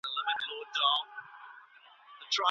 د خوړو مسمومیت څنګه درملنه کیږي؟